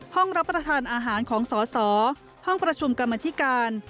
รับประทานอาหารของสอสอห้องประชุมกรรมธิการ